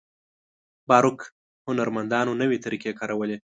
باروک هنرمندانو نوې طریقې کارولې.